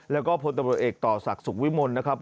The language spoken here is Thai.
แล้วก็พลตำรวจเอกต่อศักดิ์สุขวิมลนะครับ